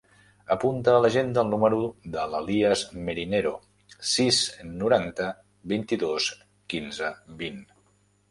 Apunta a l'agenda el número de l'Elías Merinero: sis, noranta, vint-i-dos, quinze, vint.